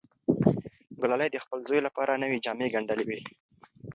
ګلالۍ د خپل زوی لپاره نوې جامې ګنډلې وې.